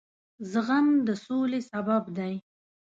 زغم د سولې سبب دی.